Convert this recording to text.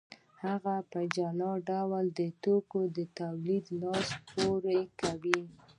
هغه په جلا ډول د توکو په تولید لاس پورې کوي